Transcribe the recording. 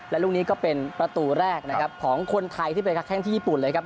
และลูกนี้ก็เป็นประตูแรกนะครับของคนไทยที่ไปค้าแข้งที่ญี่ปุ่นเลยครับ